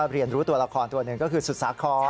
เรียนรู้ตัวละครตัวหนึ่งก็คือสุสาคร